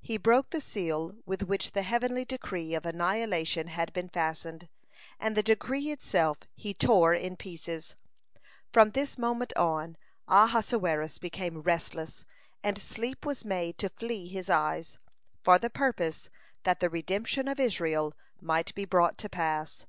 He broke the seal with which the heavenly decree of annihilation had been fastened, and the decree itself he tore in pieces. (162) From this moment on Ahasuerus became restless, and sleep was made to flee his eyes, for the purpose that the redemption of Israel might be brought to pass.